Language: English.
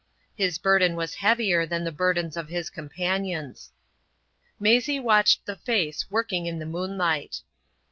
His burden was heavier than the burdens of his companions. Maisie watched the face working in the moonlight.